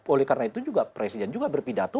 oleh karena itu juga presiden juga berpidato